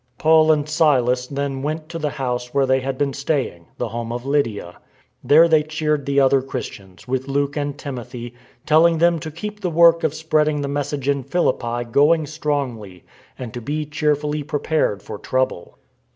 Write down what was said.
Paul and Silas then went to the house where they had been staying — the home of Lydia. There they cheered the other Christians, with Luke and Timothy, telling them to keep the work of spreading the message in Philippi going strongly and to be cheerfully pre pared for trouble.